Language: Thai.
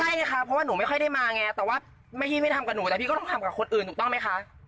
ใช่ไงคะเพราะว่าหนูไม่ค่อยได้มาไงแต่ว่าพี่ไม่ทำกับหนูแต่พี่ก็ต้องทำกับคนอื่นถูกต้องไหมคะ